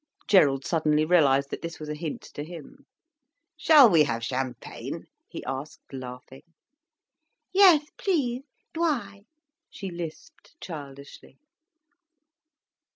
Gerald suddenly realised that this was a hint to him. "Shall we have champagne?" he asked, laughing. "Yes please, dwy," she lisped childishly.